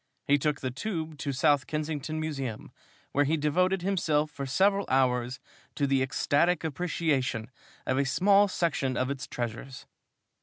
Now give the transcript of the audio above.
He took the Tube to South Kensington Museum, where he devoted himself for several hours to the ecstatic appreciation of a small section of its treasures.